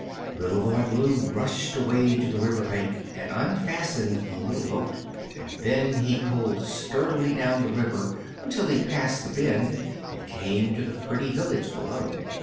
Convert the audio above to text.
Little Boy Blue rushed away to the river bank and unfastened the little boat; and then he pulled sturdily down the river until he passed the bend and came to the pretty village below.